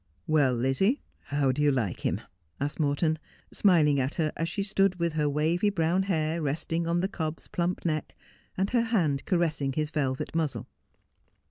'Well, Lizzie, how do you like him?' asked Morton, smiling at her as she stood with her wavy brown hair resting on the cob's plump neck, and her hand caressing his velvet muzzle.